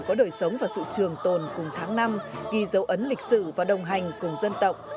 có đời sống và sự trường tồn cùng tháng năm ghi dấu ấn lịch sử và đồng hành cùng dân tộc